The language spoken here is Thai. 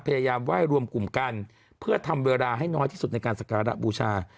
พยายามไหว้รวมกลุ่มกันเพื่อทำเวลาให้น้อยที่สุดในการสการะบูชา